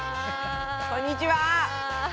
こんにちは。